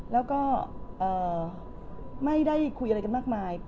แล้วก็ไม่ได้คุยอะไรกันมากมาย